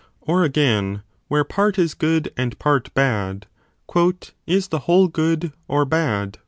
Or again, where part is good and part bad, is the whole good or bad